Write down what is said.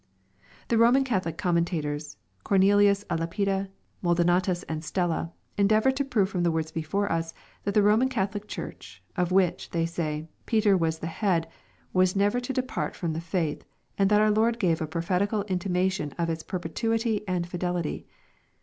The Roman Catholic commentators, Cornelius d. Lapide, Maldo natus, and Stella, endeavor to prove from the words before us, that the Boman Catholic Church, of which, they say, Peter was the head, was never to depart from the faith, and that our Lord gave a prophetical intimation of its perpetuity and fidelity.